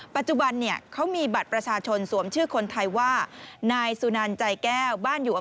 ปัจจุบันเขามีบัตรประชาชนสวมชื่อคนไทยว่านายสุนานใจแก้ว